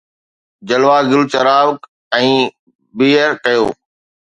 جلوه گل چراغ ۽ بيئر ڪيو